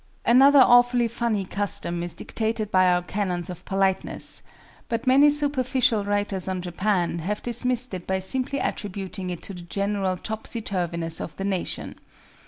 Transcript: Another "awfully funny" custom is dictated by our canons of Politeness; but many superficial writers on Japan have dismissed it by simply attributing it to the general topsy turvyness of the nation.